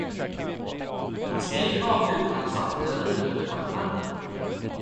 Han skrek rakt ut att han saknade livet på departementet.